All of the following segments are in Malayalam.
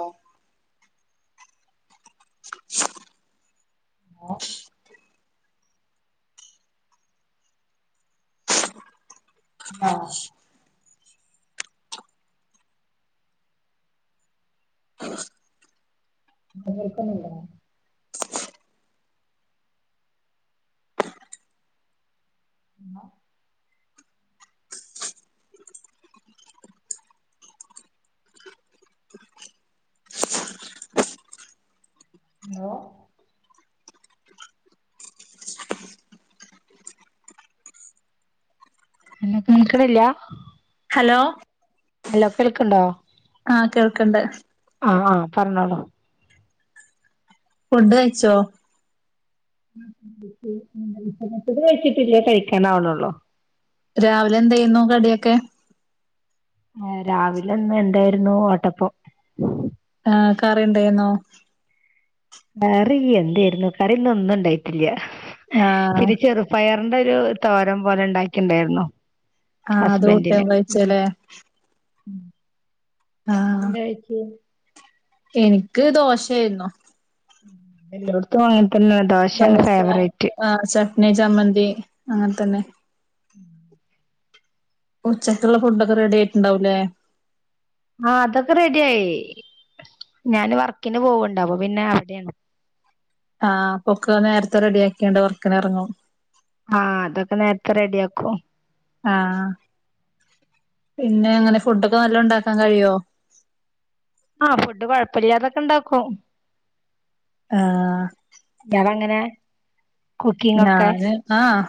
ആഹ [inaudible] ആഹ ആഹ് [unintelligible] ഇന്നാ ഹലോ മം നിൽക്കുന്നില്ല ഹലോ അല്ലോ കേളിക്കണ്ടോ? ആഹ കേൾക്കണ്ട ആഹ് ആ പറഞ്ഞോളൂ ഫുഡ് കഴിച്ചോ? ഫുഡ്‌ കഴിച്ചിട്ട് ഇല്ല കഴിക്കൻ ആവുന്നുള്ളൂ രാവിലെ എന്തേന്നു കടിയൊക്കെ ഏഹ് രാവിലെന്ന് എന്തേര്ന്നു ഓട്ടപ്പൊ ആഹ് കറിണ്ട്ന്നോ കറി എന്തേര്ന്നു കറിന്ന് ഒന്നും ഇണ്ടായിട്ടില്ല ആഹ് പിന്ന ചെറുപ് പയറിന്റെ ഒരു തോരം പോലെ ഇണ്ടാക്കിണ്ടാര്ന്നു ആഹ് അത് ഹസ്ബൻഡിന് കൂട്ടാൻ കഴിച്ചല്ലേ ആഹ് എന്തേ പറ്റീ എനിക്ക് ദോശേര്ന്നു എല്ലോട്ത്തും അങ്ങനെത്തന്നെ ദോശയാണ് ദോശ ഫേവറേറ്റ് ആഹ് ശെ പിന്നെ ചമന്തി അങ്ങൻതന്നെ ഉച്ചയ്ക്കുള്ള ഫുഡൊക്കെ റെഡി ആയിട്ടുണ്ടാവുല്ലേ ആഹ് അതൊക്കെ റെഡിയായി ഞാന് വർക്കിന് പോവ്ണ്ട് അപം പിന്നെ അവിടെയാണ് ആഹ് അപൊക്കെ നേരത്തെ റെഡിയാക്കിയാണ്ട് വർക്കിന് എറങ്ങും ആഹ് അതൊക്കെ നേരത്തെ റെഡി ആക്കും ആഹ് പിന്നെ അങ്ങനെ ഫുഡൊക്കെ നല്ലോംഉണ്ടാക്കാൻ കഴിയോ ആഹ് ഫുഡ് കൊഴപ്പല്യാതൊക്കെണ്ടാക്കും ആഹ് ഞാനങ്ങനെ ഞാന് ആഹ്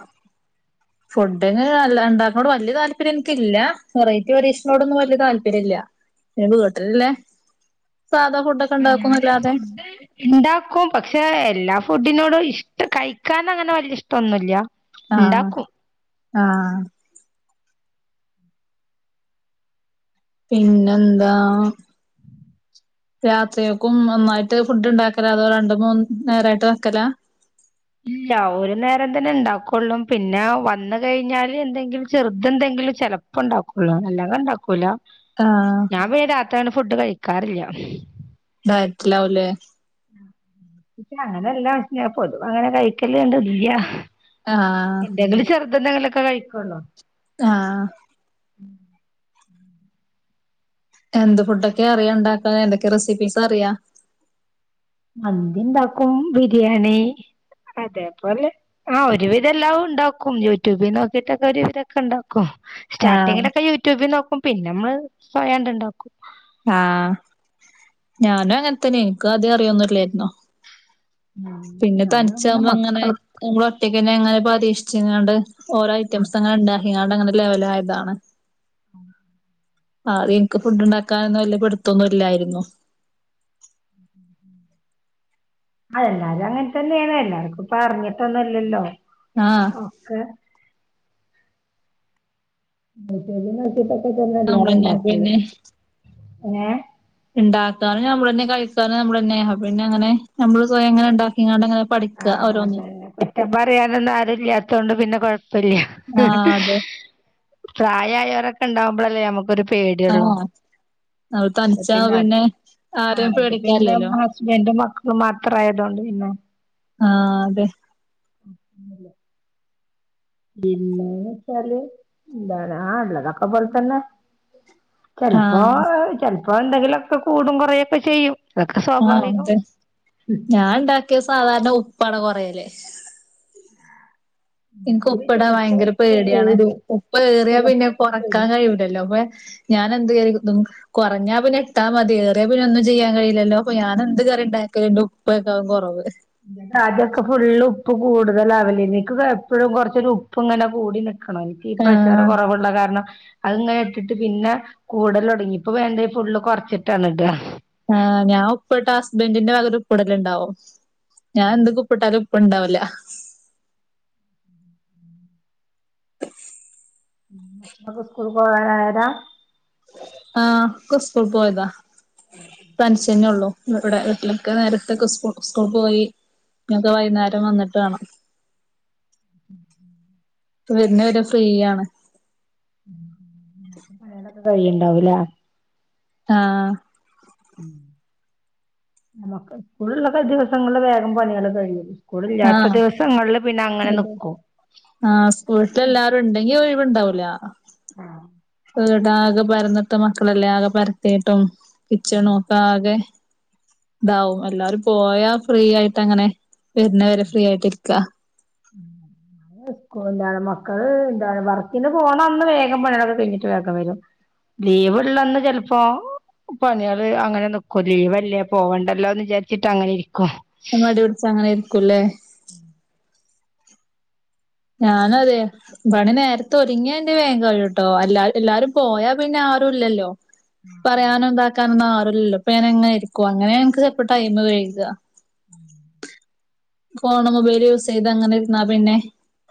പുഡിംഗ് അല്ല ഇണ്ടാക്ക്നോണ്ട് വല്യ താല്പര്യം എനിക്കില്ല വെറൈറ്റി പരീക്ഷിക്ക്നോടൊന്നും വല്യ താല്പര്യം ഇല്ല വീട്ട്ല് ല്ലേ സാധാ ഫുഡൊക്കെ ആഹ് ഞാന് ഇണ്ടാക്കുന്നല്ലാതെ ഫുഡ് ഇണ്ടാക്കും പക്ഷെ എല്ലാ ഫുഡിനോടും ഇഷ്ടം കഴിക്കാന ങ്ങനെ വല്യ ഇഷ്ടൊന്നുല്യ ആഹ് ആഹ് പിന്നെന്താ രാത്രിയക്കും ഒന്നായിട്ട് ഫുഡ് ഇണ്ടാക്കല അതോ രണ്ട് മൂന്ന് നേരായിട്ട് വെക്കലാ ഇല്ല ഒരു നേരം തന്നെ ഇണ്ടാക്കൊള്ളൂ പിന്നെ വന്ന് കെയിഞ്ഞാല് എന്തെങ്കിലും ചെറ്ത് എന്തെങ്കിലും ചെലപ് ഇപ്പ ഉണ്ടാക്കൊള്ളൂ അല്ലാതെ ഇണ്ടാക്കൂല ആഹ് ഞാൻ പിന്നെ രാത്രിങ്ങനെ ഫുഡ് കഴിക്കാറില്യ ടയറ്റിലാവുലേ അങ്ങനെ എല്ലാ പൊതുവെ അങ്ങനെ കഴിക്കല് ണ്ട് ഇല്ല ആഹ് എന്തെങ്കിലും ചെർദെന്തെങ്കിലൊക്കെ കഴിക്കാെള്ളാെ താഹ് എന്ത് ഫുഡൊക്കെ അറിയാ ഉണ്ടാക്കാ ഏതൊക്കെ റെസിപ്പീസ് അറിയാ മന്തി ഇണ്ടാക്കും ബിരിയാണി അതേപോലെ ആഹ് ഒരു വിധംഎല്ലാവും ഉണ്ടാക്കും യൂട്യൂബിൽ നോക്കിട്ടൊക്കെ ഒരുവിധൊക്കെ ഉണ്ടാക്കും ആഹ് സ്റ്റാർട്ടിങ്ങിലൊക്കെ യൂട്യൂബിൽ നോക്കും പിന്നെ നമ്മള് സ്വയം അങ്ങണ്ട് ഉണ്ടാക്കും. ആഹ് ഞാനും അങ്ങൻത്തന്നെ എനിക്കുംആദ്യം അറിയൊന്നും ഇല്ലേര്ന്നു ഉം പിന്നെ ഞാനും പിന്നെ തനിച്ചാവുമ്പൊഅങ്ങനെ മക്കള് ഓൾ ഒറ്റയ്ക്ക് തന്നെ എങ്ങനെപ്പോ പരീക്ഷിച്ചണ്ട് ഓരോ ഐറ്റംസ് അങ്ങെ ഉണ്ട ഇയാൾടെ അങ്ങനെ ലെവലായതാണ് ഉ ആഹ് ഇൻക്ക് ഫുഡ് ഉണ്ടാക്കാനൊന്നും വല്ലിയ പിടുത്താെന്നും ഇല്ലായിരുന്നു ഉം ഉം ആഹ് എല്ലാരും അങ്ങൻതന്നേണ് എല്ലാർക്കും ഇപ്പ അറിഞ്ഞിട്ടൊന്നൊ ല്ലല്ലോ ആഹ് ഒക്കെ യൂറ്റ്യൂബില് നോക്ക്യപൊക്കെതന്നെ എല്ലാരും നമ്മളന്നെ ഇണ്ടാക്കല് പിന്നെ ഏഹ് ഇണ്ടാക്കാനും ഞമ്മളെന്നെ കഴിക്കാനും നമ്മളെന്നെ അപ്പൊപിന്നെ അങ്ങനെ നമ്മള് സ്വയം അങ്ങനെണ്ട ക്കിങ്ങാണ്ടങ്ങനെ പഠിക്ക ആഹ് ഓരോന്ന് അതന്നെ കുറ്റം പറയാനൊന്നും ആരുമില്ലാത്തതുകൊണ്ട് പിന്നെ കൊഴപ്പില്ല ആഹ് അതെ പ്രായമായവരൊക്കെ ഉണ്ടാവുമ്പഴല്ലേ നമ്മുക്കരു പേടിയള്ളൂ അവള് തനിച്ചാവ പിന്നെ ആരെയും ആത് പിന്നെ പേടിക്കാനില്ലല്ലോ ഹസ്ബൻഡും മക്കളും മാത്രമായതുകൊണ്ട് പിന്നെ ആഹ അതെ പിന്നെന്ന് വെച്ചാല് എന്ത ആ ഉള്ളതൊക്കെ പോലെത്തന്നെ ച് ചെലപ്പോ ചെലപ്പോ എന്തെങ്കിലൊക്കെ കൂടുംകൊറയൊക്കെ ചെയ്യും അതൊക്കെ ആഹ സ്വാഭാവികം അതെ ഞാൻ ഉണ്ടാക്കിയ സാധാരണ ഉപ്പാന കൊറയല് എനിക്ക് ഇതില് ഉപ്പ് ഇടാൻ ചെലപ്പോ ഭയങ്കര ഉപ്പ് പേടിയാണ് കൂടും ഉപ്പ് ഏറിയാ ചെലപ്പോ പിന്നെ ഉപ്പ് കൊറക്കാൻ കൂടും കഴിയുല്ലല്ലോ അപ്പൊ ഞാൻ എന്ത്കേറി [unintelligible] കുറഞ്ഞാ പിന്നെ ഇട്ടാ മതി ഏറെേ പിന്നെ ഒന്നും ചെയ്യാൻ കഴയില്ലല്ലോ അപ്പൊ ഞാനെ ന്ത് കറിയ ഉണ്ടാകിയാലും ഉപ്പായ്ക്കും കുറവ് ആദ്യൊക്കെ ഫുള് ഉപ്പ് കൂടുതൽ അവലേനി ക്ക് എപ്പഴും കൊറച്ചരു ഉപ്പ് ഇങ്ങനെ കൂടി ന നിക്ക് ഈ പ്രഷർ ആഹ് കുറവുള്ള കാരണം അത്ങ്ങനെ ഇട്ടിട്ട് പിന്നെ കൂടൽ തുടങ്ങി ഇപ്പൊ വേണ്ട ഫുള്ള് കുറച്ചിട്ടാണ് ഇട്ട ആ ഞാൻ ഉപ്പിട്ട ഹസ്ബന്റിന്റെ വക ഒരു ഉപ്പിടലുണ്ടാവും ഞാൻ എന്തക്കു ഉപ്പിട്ടാലും ഉപ്പ് ഉണ്ടാവില്ല ഉം മക്കളക്കെ സ്കൂളി പോകാനായത ആഹ് ഒക്കെ സ്കൂൾ പോയതാ തനിചെന്നെ ള്ളൂ ഇവിടെ വീട്ടിലൊക്കെ നേരത്തൊക്കെ സ് സ്കൂൾ പോയി ഞക്കൊ വൈകുന്നേരം വന്നിട്ട് വേണം ഉം വരുന്ന വരെ ഫ്രീ ആണ് പഴേതൊക്കെ കഴിയുണ്ടാവൂലെ ആഹ ഉ നമുക്ക് സ്കൂളുള്ള ദിവസങ്ങളില് വേഗം പണികള കഴിയും സ്കൂളില്ലാത്ത ആഹ് ദിവസങ്ങളിൽ പിന്നെ അങ്ങനെ അതെ നിക്കും ആഹ് സ്കൂളട്ടിൽ എല്ലാരും ഉണ്ടെങ്കി ഒഴിവണ്ടാവൂല ആഹ വീടാകെ പരന്നിട്ട് മക്കളല്ലേ ആകെ പരത്തിയിട്ടും കിച്ചണോക്ക ആകെ ഇതാവും എല്ലാവരും പോയാ ഫ്രീ ആയിട്ട് അങ്ങനെ വരുന്ന വരെ ഫ്രീ ആയിട്ടിരിക്കാ [unintelligible] മക്കള് എന്താണ് വർക്കിന്റെ പോണ അന്ന് വേഗം പണികളൊക്കെ കഴിഞ്ഞിട്ട് വേഗം വരും ലീവ്ള്ളന്ന് ചിലപ്പോ പണികള് അങ്ങനെ നക്കോ ലീവല്ലേ പോവണ്ടല്ലോന്ന് വിചാരിച്ചിട്ട് അങ്ങനെ ഇരിക്കും മടിപിടിച്ചങ്ങ് അങ്ങനെ ഇരിക്കുലെ ഞാനതെ പണി നേരത്തെ ഒര്ങ്ങിയ ന്റെ വേംകയ്യുട്ടോ എല്ലാ എല്ലാരും പോയാ പിന്നാരുല്ലല്ലോ പറയാനും താക്കാനൊന്നും ആരുല്ലല്ലോ. പ്പൊ ഞാനങ്ങനെ ഇരിക്കും. അങ്ങനെയ ഇൻക്ക് ചെൽപ്പോ ടൈം വെയ്ക ഉം ഫോണ് മൊബൈല് യൂസ് ചെയ്ത് അങ്ങനെ ഇരുന്നാ പിന്നെ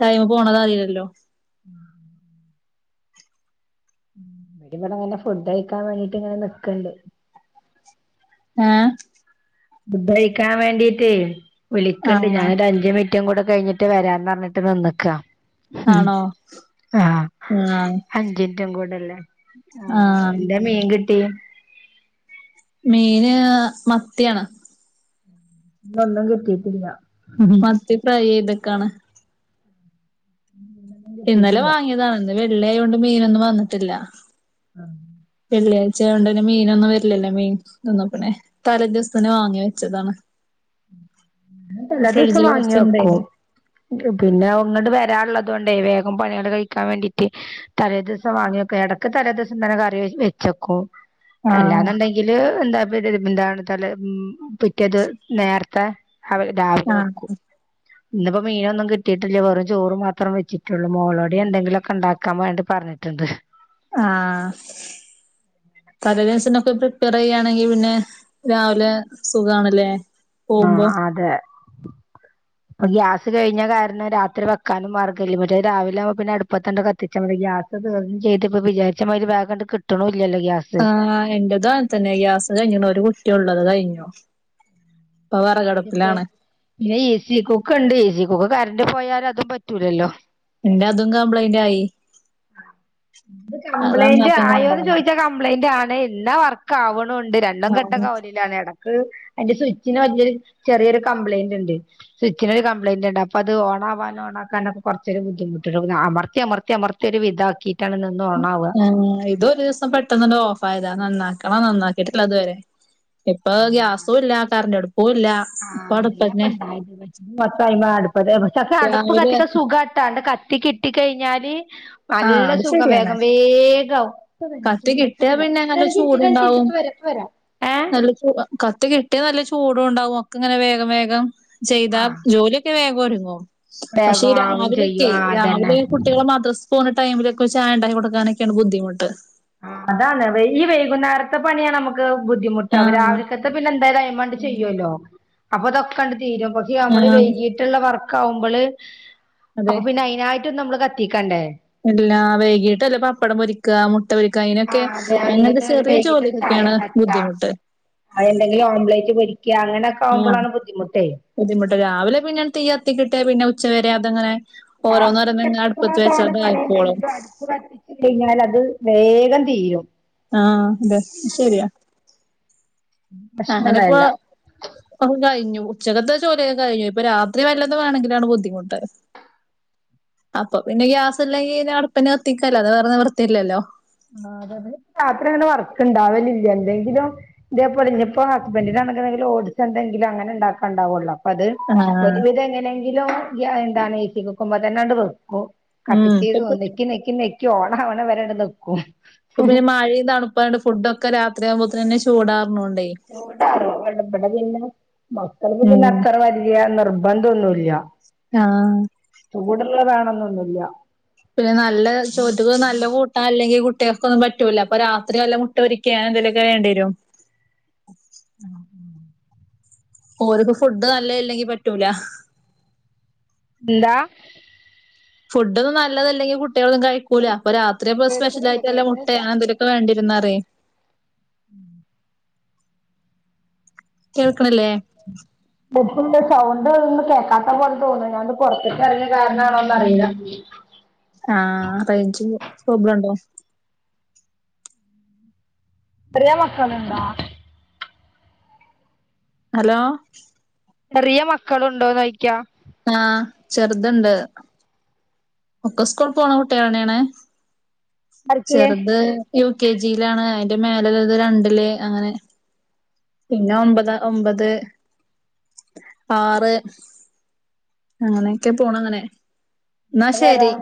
ടൈമ് പോണതറിയില്ലല്ലോ ഇടി ഇവിടെങ്ങനെ ഫുഡ് കഴിക്കാൻ വേണ്ടിട്ട് ഇങ്ങനെ നിക്കണിട് ഏ ഫുഡഴിക്കാൻ വേണ്ടീട്ട് വിളിക്കണ്ട് ആഹ് ഞാനൊരു അഞ്ച മിനിറ്റ് കുറ്റും കൂടെ കഴിഞ്ഞിട്ട് വരാന്ന് പറഞ്ഞിട്ട് നിന്നക്കാ ആണോ ആഹ് അഞ്ചിൻറ്റും കൂടെല്ലേ ആ ആഹ് എന്താ മീൻ കിട്ടി മീന് മത്തിയാണ് ഇന്ന് ഒന്നും കിട്ടീട്ടില്ല മത്തി ഫ്രൈ ചെയ്തക്കാണ് ഇന്നലെ കിട്ടിയിട്ടില്ല വാങ്ങിയതാണ്. ന്ന് വെള്ള്യാ യോണ്ട് മീനൊന്നും വന്നിട്ടില്ല ആ വെള്ളിയാഴ്ച ആയോണ്ടന്നെ മീനൊന്നും വര്ല്ലല്ലോ. മീൻ തൊന്നുംപിന്നെ, തലേ ദിവസം നെ വാങ്ങി വെച്ചതാണ് എല്ലാ ദിവസം ഫ്രിഡ്ജില് വാങ്ങി വെക്കും കൊറച്ചുണ്ടായിന് പിന്നെ ങ്ങട് വരാള്ളതോണ്ടേ വേഗം പണികൾ കഴിക്കാൻ വേണ്ടീട്ട് തലേ ദിവസം വാങ്ങിയക്കും എടക്ക് തലേ ദിവസം തന്നെ കറി വെച്ച് വേക്കും ആഹ് എല്ലാന്നുണ്ടെങ്കില് എന്താ [unintelligible] എന്താണ് തല് ഉം പിറ്റേ ത് നേർത്തെ അവര് രാവിലെ ആഹ് വെക്കു ന്നിപ്പോ മീനൊന്നും കിട്ടീട്ടില്ല വെറും ചോറ് മാത്രം വെച്ചിട്ടൊള്ളൂ മോളോട് യെന്തെങ്കിലൊക്കെണ്ടാ ക്ക വേണ്ടി പർഞ്ഞിട്ടിണ്ട് ആഹ് തലേ ദിവ്സെന്നൊക്കെ പ്രിപ്പെയ്റെയ്യാണെങ്കി പിന്നെ രാവ്ലെ സുഖാണ് ലേ ആഹ് അതെ ഗ്യാസ് കഴിഞ്ഞ കാരണം രാത്രി വെക്കാനും മാർഗല്ല മറ്റേ രാവില ആവുമ്പ പിന്നെടുപ്പത്ത [unintelligible] നമ്മ ഗ്യാസ് ചെയ്തിപ്പപ്പോ വിചാരിച്ചാതി ബാഗ കണ്ട് കിട്ട്ണുല്ലല്ലോ ഗ്യാസ് ആ എന്റെത അങ്ങനെ തന്നെ ഗ്യാസ് കഴിഞ്ഞണ ഒരു കുറ്റിയൊള്ളത് കഴിഞ്ഞു ഇപ്പൊ ഇപ്പോ വെറകടുപ്പിലാണ് പിന്നെ ഇ സി കുക്ക്ണ്ട് ഇ സി കൊക്ക് കറണ്ട് പോയാൽ അതും പറ്റൂലല്ലോ ന്റെ അതും കംപ്ലൈയിന്റ് ആയി ഇത് അത് കംപ്ലയിന്റ് നന്നാക്കാൻ ആയോ എന്ന് കൊണ്ടോണം ചോദിച്ചാൽ കംപ്ലൈന്റ് ആണ് ന്ന വർക്ക് ആവ്ണുണ്ട് രണ്ടും ആഹ് കെട്ടക്കാവല ഇടക്ക് അതിന്റെ സ്വിച്ചിന് വല്ല്യൊരു ചെറിയൊരു കംപ്ലയിന്റ്ണ്ട് സ്വിച്ചിനൊരു കപ്ലയിന്റ്ണ്ട് അപ്പോ അത് ഓണാവാൻ ഓണാക്കാനൊക്കെ കുറച്ചൊരു ബദ്ധിമുട്ടു അമർത്തി അമർത്തി അമർത്തി ത്തിയൊര് വിതാക്കി ആ ഇത ഒരു ദിവസം പെ പെട്ടെന്നണ്ട് ഓഫ് ആയതാ. നന്നാക്കണം നന്നാക്കിട്ടില്ലതുവരെ, ഇപ്പൊ ഗ്യാസുല്ല ആ കറന്റെടു പ്പുല്ല ആ അതന്നപ്പണ്ടായിത് [unintelligible] പക്ഷെ അടുപ്പ് രാവിലെ കത്തിക്ക സുഖാട്ടാ, ണ്ട് കത്തി കിട്ടി കഴിഞ്ഞാല് ആഹ് നല്ല അത് സുഖം ശരിയാണ് വേഗം വേഗം ആവും. പ്പ വരാ കത്തി തിന്നൂട്. കിട്ടിയാ പിന്നെ നല്ല രഞ്ചിറ്റ് രഞ്ചിറ്റ് ഇപ്പ വരപ്പ വരാ ഏഹ് നമ്മള് ക്യൂവാ. കത്ത് കിട്ടിയാ നല്ല ചൂടുണ്ടാവും ഒക്കെങ്ങനെ വേഗം വേഗം ചെയ്താ ആഹ് ജോലി വേഗം ഒരുങ്ങോ പക്ഷെ ഈ വേഗം ആകും ചെയ്യും രാവിലെക്കെ ആഹ് അതന്നെ രാവിലെ കു ട്ട്യേള് മദ്രസ് പോണെ ടൈമ് ലൊക്കെ ചായണ്ടാക്കി കൊടുക്കാനൊക്കെയാണ് ബുദ്ധിമുട്ട് അതാണ് വൈ ഈ വൈകുന്നേര ത്തെ പണിയാണമക്ക് ബുദ്ധിമുട്ട്. അവ ആഹ് രാവിൽക്കത്തെ പിന്നെന്തായാലും അയ്മാണ്ട് ചെയ്യല്ലോ. അപ്പൊ തൊക്കെണ്ട് തീരും പക്ഷെ നമ്മള് ആഹ് വൈകിട്ടുള്ള വർക്ക് ആകുമ്പോള്. അപ്പൊ അതെ പിന്നെ അതിനയി റ്റ് നമ്മള് കത്തിക്കണ്ടേ? എല്ലാ വേകീട്ട് വല്ല പപ്പടം പൊരിക്ക മു ട്ട പൊരിക്ക അയിനൊക്കെ ആഹ് അതെ അങ്ങൻത്തെ അല്ലെങ്കി ഒരു ചെറിയ ജോലികൊക്കെയാണ് ബുദ്ധിമുട്ട്. എന്തെകിലും ഓംലറ്റ് ഒബ്ലേറ്റ് പൊരിക്യാ അങ്ങനെയൊക്കെ ആഹ് ആകുമ്പോഴാണ് ബുദ്ധിമുട്ടേ ബുദ്ധിമുട്ട്. രാവിലെ പിന്നെയാണ്ട് തീയത്തിക്കിട്ട്യാ പിന്നെ ഉച്ചവരെ അതങ്ങനെ രാവിലെ ഓരോന്നോരോന്നിങ്ങനെ എത്ര അടുപ്പത്ത് വെച്ചാ തോന്ന അതായിക്കോളും. പണിയിണ്ടകിലും ഇടിച് വരി ച് കഴിഞ്ഞാൽ അത് വേഗം തീരും. ആ അതെ ശരിയാ പ്രശ്നള്ളല്ല. അപ്പ കഴഞ്ഞു ഉച്ചകത്തെ ചോറോയിയൊക്കെ കഴിഞ്ഞു ഇപ്പ രാത്രി വല്ലതു വേണങ്കിലാണ് ബുദ്ധിമുട്ട്. അപ്പൊ പിന്നെ ഗ്യാസ് ഇല്ലെങ്കിൽ അട്പ്പാന്നെ കത്തിക്ക അല്ലാതെ വേറെ നിവൃത്തിയില്ലല്ലോ ആ അതതെ രാത്രി അങ്ങനെ വർക്ണ്ടാവലില്ല എന്തെങ്കിലും. ഇതേപോലെ ഇന്നപ്പോ ഹസ്ബന്റ് ആണെങ്കിൽ ഓഡസ് എന്തെങ്കിലും അങ്ങനെ ഇണ്ടാക്കണ്ടാവൊള്ളോ അത് ആഹ് ഒരുവിധം എങ്ങനെങ്കിലും എന്താണ് ഏച്ചി കുക്കുമ്പോ തന്നെണ്ട് വെക്കും ഉം കത്തിക്ക് ഇപ്പൊ നെക്കി നെക്കി നെക്കി ഓട അവണ വരണ്ട നക്കൂ അപ്പൊപിന്നെ മഴയും തണുപ്പായിണ്ട് ഫുഡ ഒക്കെ രാത്രിയാമ്പോത്തന്ന്നെ ചൂടാർണൊണ്ടേ പിന്നെ മക്കൾക്ക് ഉം പിന്നെ അത്ര വലിയ നിർബന്ധംഒന്നുമല്ല ആഹ് ചൂടുള്ള വേണന്നൊന്നുല്യ പിന്നെ നല്ല, ചോറ്റ്ക്ക് നല്ല കൂട്ടാൻല്ലെങ്കി കുട്ട്യാക്കൊന്നും പറ്റൂല. അപ്പൊ രാത്രി വല്ല മു മുട്ട പരിക്കൊ എതലും ചൊയണ്ടി വരും. ഉം ഓര്ക്ക് ഫുഡ് നല്ല ഇല്ലെങ്കി പറ്റൂല എന്താ ഫുഡന്നും നല്ലെതല്ലങ്കി കുട്ടിഅളൊന്നും കഴിക്കൂല്ല പ്പ രാത് അത്ര സ്പെഷല ആയിട്ടല്ല മുട്ട എന്തെലുമൊക്കെ വേണ്ടരുന്നാറേ [unintelligible] കേൾക്ക്ണ്ല്ലേ എപ്പണ്ട് സൗണ്ട്ന്ന് കേൾക്കാത്ത പോലെ തോന്നുന്നു ഞൻത് പുറത്തക്കറിങ്ങ കാരണമാണോന്ന അറിയില്ല ആഹ് കയിച്ചു പ്രോബ്ലം ണ്ടോ ത്രേം മക്കള്ണ്ടാ ഹലോ ചെറിയ മക്കളുണ്ടോന്നോയ്ക്യാ ആഹ് ചെർത്ണ്ട് ഒക്കെ സ്കൂൾ പോണ കുട്ടികളെന്നെയാണ് ആർക്ക് ചെറുത് യു കെ ജിയിലാണ്. അയ്ന്റെ മേലല്ലത് രണ്ടില്. അങ്ങനെ പിന്ന ഒമ്പതാ ഒമ്പത് ആറ് അങ്ങനെയൊക്കെ പോണ ങ്ങനെ ന്ന ശരി ഇവരാ